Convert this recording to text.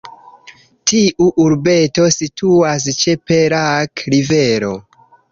Tiu urbeto situas ĉe Perak Rivero.